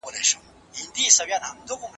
زه پرون درسونه ولوستل!؟